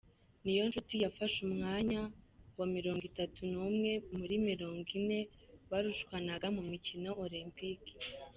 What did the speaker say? Niyonshuti yafashe umwanya wa Mirongo Itatu Numwe muri Mirongo Ine barushanwaga mu mikino Olempike